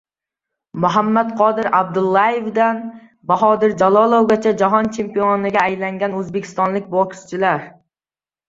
Muhammadqodir Abdullayevdan Bahodir Jalolovgacha. Jahon chempioniga aylangan o‘zbekistonlik bokschilar